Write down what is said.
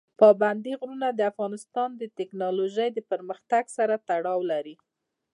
پابندی غرونه د افغانستان د تکنالوژۍ پرمختګ سره تړاو لري.